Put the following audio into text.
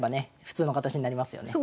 普通の形になりますよね。